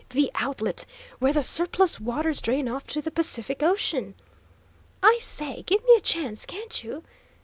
"The outlet! Where the surplus waters drain off to the Pacific Ocean!" "I say, give me a chance, can't you?"